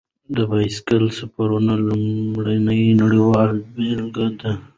د بایسکل سفرونو لومړنی نړیواله بېلګه دی.